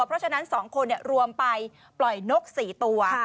เพราะฉะนั้น๒คนรวมไปปล่อยนก๔ตัว